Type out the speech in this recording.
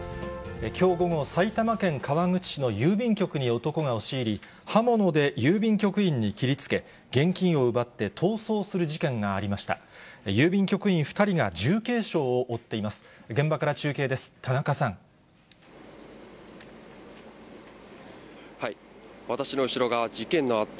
きょう午後、埼玉県川口市の郵便局に男が押し入り、刃物で郵便局員に切りつけ、現金を奪って逃走する事件がありました。